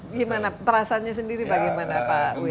gimana perasaannya sendiri bagaimana pak wil